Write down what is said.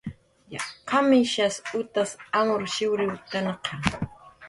¿Qamishas utas amurshuyriwktanqa?